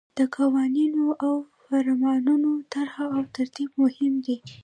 د قوانینو او فرمانونو طرح او ترتیب مهم دي.